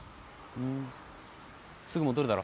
ふーんすぐ戻るだろ。